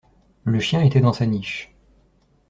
Le chien était dans sa niche.